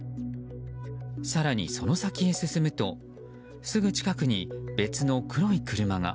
更にその先へ進むとすぐ近くに別の黒い車が。